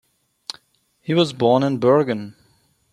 He was born in Bergen.